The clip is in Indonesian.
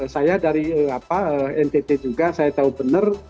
saya dari ntt juga saya tahu benar